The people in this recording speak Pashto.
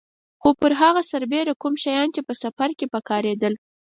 خو پر هغه سربېره کوم شیان چې په سفر کې په کارېدل.